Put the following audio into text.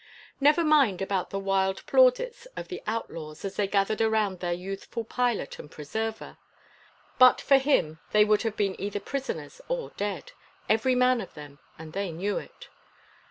Never mind about the wild plaudits of the outlaws as they gathered around their youthful pilot and preserver. But for him they would have been either prisoners or dead every man of them; and they knew it.